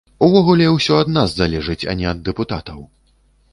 Увогуле ўсё ад нас залежыць, а не ад дэпутатаў.